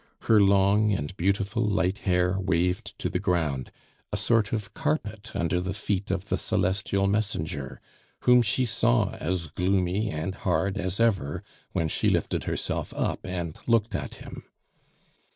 Her long and beautiful light hair waved to the ground, a sort of carpet under the feet of the celestial messenger, whom she saw as gloomy and hard as ever when she lifted herself up and looked at him.